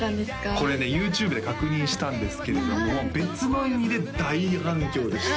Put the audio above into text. これねＹｏｕＴｕｂｅで確認したんですけれども別の意味で大反響でした